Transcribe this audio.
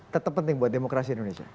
tetap penting buat demokrasi indonesia